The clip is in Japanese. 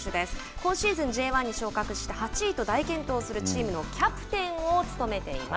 今シーズンＪ１に昇格して８位と大健闘するチームのキャプテンを務めています。